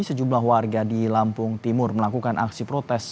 sejumlah warga di lampung timur melakukan aksi protes